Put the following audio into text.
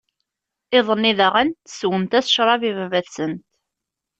Iḍ-nni daɣen, sswent-as ccṛab i Baba-tsent.